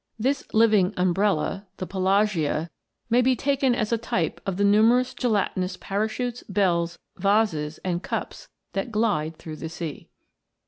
* This living umbrella may be taken as a type of the numerous gelatinous parachutes, bells, vases, and cups that glide through the sea.